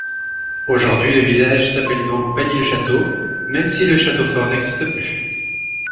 Aujourd'hui, le village s'appelle donc Pagny-le-Château, même si le château fort n'existe plus.